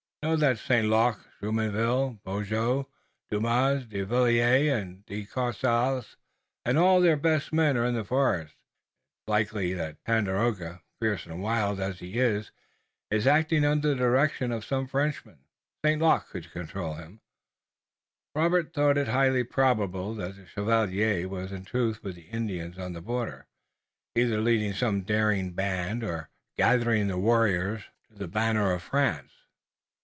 I know that St. Luc, Jumonville, Beaujeu, Dumas, De Villiers, De Courcelles and all their best men are in the forest. It's likely that Tandakora, fierce and wild as he is, is acting under the direction of some Frenchman. St. Luc could control him." Robert thought it highly probable that the chevalier was in truth with the Indians on the border, either leading some daring band or gathering the warriors to the banner of France.